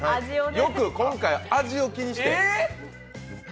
よく今回は、味を気にして。